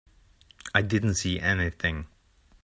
I didn't see anything.